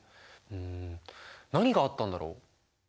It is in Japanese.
ん何があったんだろう？